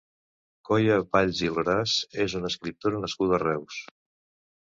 Coia Valls i Loras és una escriptora nascuda a Reus.